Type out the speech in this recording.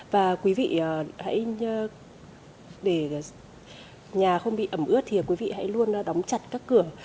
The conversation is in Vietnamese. và quý vị để nhà không bị ẩm ướt thì quý vị hãy luôn đóng chặt các cửa